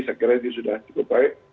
saya kira ini sudah cukup baik